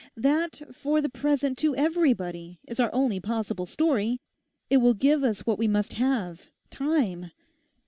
'That, for the present to everybody, is our only possible story. It will give us what we must have—time.